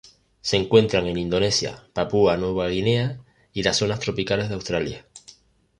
Se encuentran en Indonesia, Papúa Nueva Guinea y las zonas tropicales de Australia.